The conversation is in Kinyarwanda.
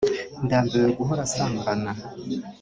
ndambiwe guhora nsambana